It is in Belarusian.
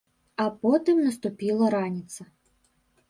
А потым наступіла раніца.